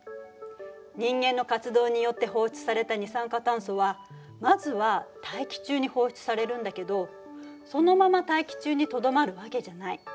人間の活動によって放出された二酸化炭素はまずは大気中に放出されるんだけどそのまま大気中にとどまるわけじゃない。